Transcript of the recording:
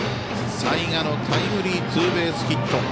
齊賀のタイムリーツーベースヒット。